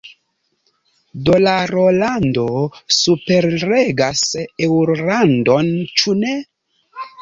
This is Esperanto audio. Dolarolando superregas eŭrolandon – ĉu ne?